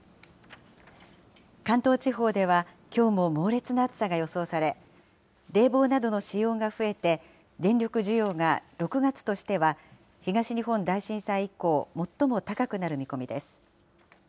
関東地方では、きょうも猛烈な暑さが予想され、冷房などの使用が増えて、電力需要が６月としては東日本大震災以降、最も高くなる見込みです。